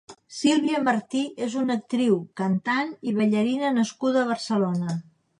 Silvia Marty és una actriu, cantant i ballarina nascuda a Barcelona.